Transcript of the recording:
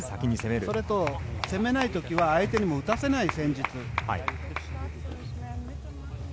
それと、攻めない時は相手にも打たせない戦術。